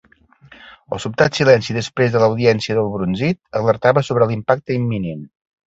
El sobtat silenci després de l'audiència del brunzit, alertava sobre l'impacte imminent.